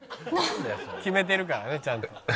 決めてるからねちゃんと。